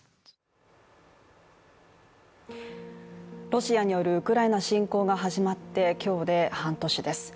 ロシアによるウクライナ侵攻が始まって今日で半年です。